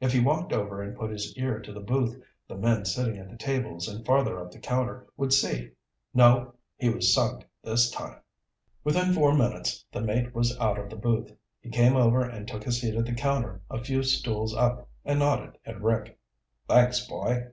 If he walked over and put his ear to the booth, the men sitting at the tables and farther up the counter would see. No, he was sunk this time. Within four minutes the mate was out of the booth. He came over and took a seat at the counter a few stools up and nodded at Rick. "Thanks, boy."